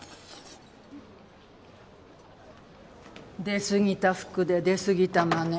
出すぎた服で出すぎたまね。